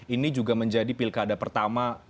ini juga menjadi pilkada pertama